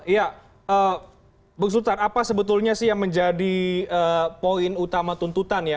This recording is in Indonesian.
ya bung sultan apa sebetulnya sih yang menjadi poin utama tuntutan ya